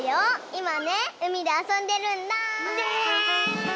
いまねうみであそんでるんだ！ねえ！